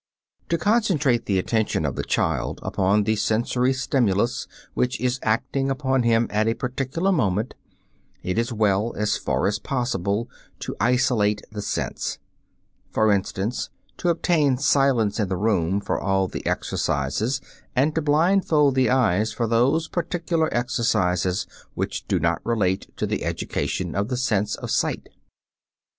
To concentrate the attention of the child upon the sensory stimulus which is acting upon him at a particular moment, it is well, as far as possible, to isolate the sense; for instance, to obtain silence in the room for all the exercises and to blindfold the eyes for those particular exercises which do not relate to the education of the sense of sight.